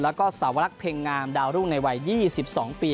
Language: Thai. แล้วก็สาวลักษเพ็งงามดาวรุ่งในวัย๒๒ปี